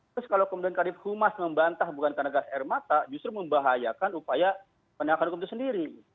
terus kalau kemudian kadif humas membantah bukan karena gas air mata justru membahayakan upaya penegakan hukum itu sendiri